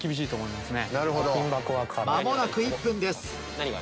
間もなく１分です。